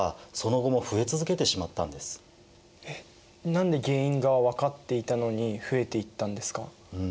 えっ何で原因が分かっていたのに増えていったんですか？